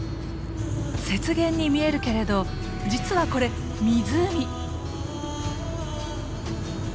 雪原に見えるけれど実はこれ湖。